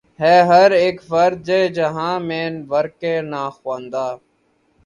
ہے ہر اک فرد جہاں میں ورقِ ناخواندہ